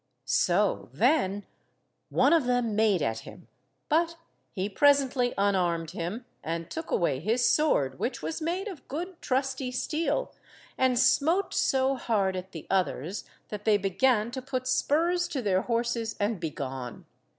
So then one of them made at him, but he presently unarmed him and took away his sword, which was made of good trusty steel, and smote so hard at the others that they began to put spurs to their horses and be–gone.